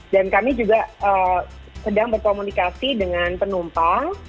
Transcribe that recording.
dan kami juga sedang berkomunikasi dengan penumpang